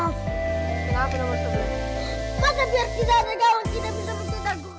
jangan lupa like subscribe dan share ya